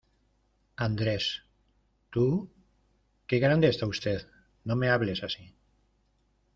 ¡Andrés! ¿Tú? ¡Qué grande está usted! no me hables así.